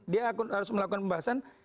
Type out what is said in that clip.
dia harus melakukan pembahasan